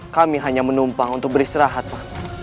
kami hanya menumpang untuk beristirahat pak